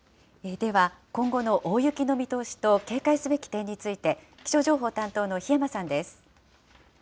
では、今後の大雪の見通しと警戒すべき点について、気象情報担当の檜山さんです。